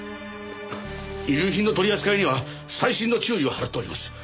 遺留品の取り扱いには細心の注意を払っております。